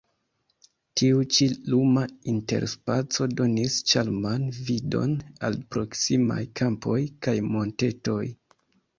Tiu ĉi luma interspaco donis ĉarman vidon al proksimaj kampoj kaj montetoj.